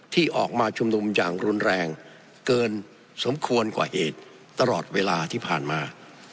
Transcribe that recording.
ที่ออกมาชุมนุมอย่างรุนแรงเกินสมควรกว่าเหตุตลอดเวลาที่ผ่านมา